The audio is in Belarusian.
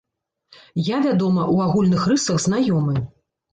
Я, вядома, у агульных рысах знаёмы.